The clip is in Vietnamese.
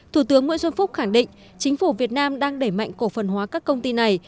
thủ tướng nguyễn xuân phúc khẳng định chính phủ việt nam đang đẩy mạnh cổ phần hóa các công ty này